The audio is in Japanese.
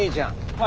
はい。